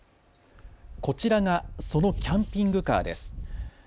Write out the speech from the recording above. こちらがそのキャンピングカーです。